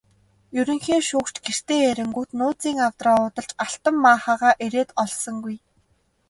Ерөнхий шүүгч гэртээ ирэнгүүт нууцын авдраа уудалж алтан маахайгаа эрээд олсонгүй.